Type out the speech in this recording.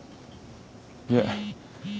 いえ。